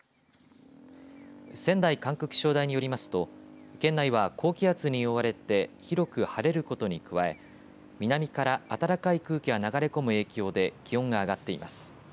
仙台管区気象台によりますと県内は高気圧に覆われて広く晴れることに加え南から暖かい空気が流れ込む影響で気温が上がっています。